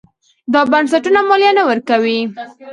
دا بنسټونه مالیه نه ورکوي.